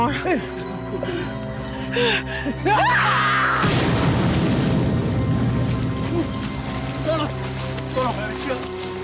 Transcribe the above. eh ampun nelisia